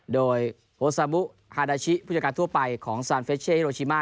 โดยโอซามุฮาดาชิผู้จัดการทั่วไปของซานเฟชเช่โรชิมา